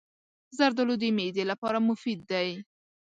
زردالو د معدې لپاره مفید دی.